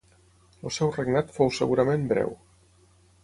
El seu regnat fou segurament breu.